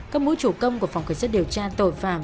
các mũi chủ công của phòng cảnh sát điều tra tội phạm